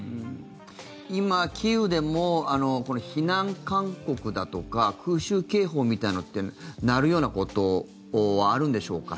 今、キーウでも避難勧告だとか空襲警報みたいなのって鳴るようなことあるんでしょうか？